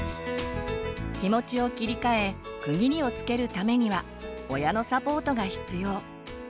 気持ちを切り替え区切りをつけるためには親のサポートが必要。